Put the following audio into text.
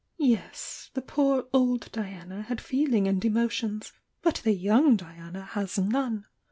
Yes— the poor 'old' Diana had feeling and emotions — but the 'young' Diana has none!"